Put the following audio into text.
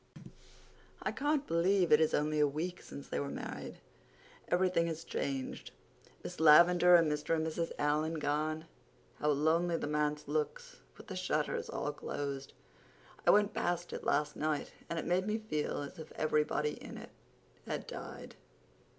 "I can't believe it is only a week since they were married. Everything has changed. Miss Lavendar and Mr. and Mrs. Allan gone—how lonely the manse looks with the shutters all closed! I went past it last night, and it made me feel as if everybody in it had died."